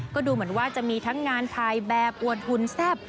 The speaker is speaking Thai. ก็ดูเหมือนว่าจะมีทั้งงานถ่ายแบบอวดหุ่นแซ่บ